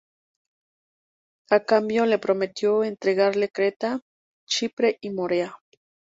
A cambio, le prometió entregarle Creta, Chipre y Morea.